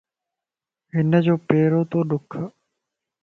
ھنجو پيرو تو ڏک